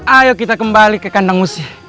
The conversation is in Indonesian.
ayo kita kembali ke kandang musik